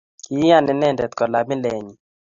Kiiyan inendet kolaa milenyi